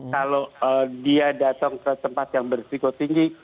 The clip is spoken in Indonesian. kalau dia datang ke tempat yang berisiko tinggi